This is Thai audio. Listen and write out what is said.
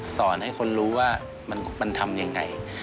สอนให้คนรู้ว่ามันทำยังไง